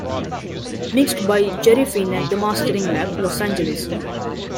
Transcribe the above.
Mixed by Jerry Finn at The Mastering Lab, Los Angeles.